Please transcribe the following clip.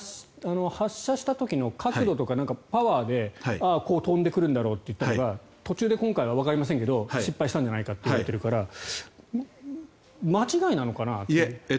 発射した時の角度とかパワーでこう飛んでくるんだろうといったのが途中で今回はわかりませんけど失敗したといわれているから間違いなのかな？と。